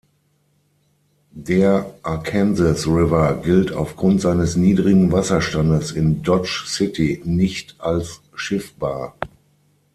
Der Arkansas River gilt aufgrund seines niedrigen Wasserstandes in Dodge City nicht als schiffbar.